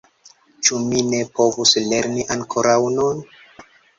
Ĉu mi ne povus lerni ankoraŭ nun?